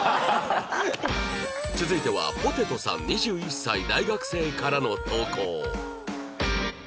続いてはぽてとさん２１歳大学生からの投稿